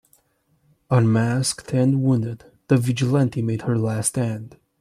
Unmasked and wounded, the vigilante made her last stand.